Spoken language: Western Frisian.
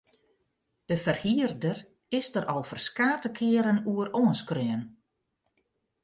De ferhierder is der al ferskate kearen oer oanskreaun.